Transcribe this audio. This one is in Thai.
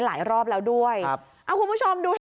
รอบแล้วด้วยครับเอาคุณผู้ชมดู